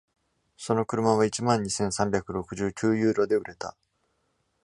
その車は一万二千三百六十九ユーロで売れた。